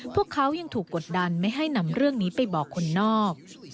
พวกเขายังถูกกดดันไม่ให้นำเรื่องนี้ไปบอกคนนอก